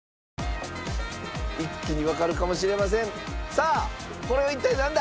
さあこれは一体なんだ？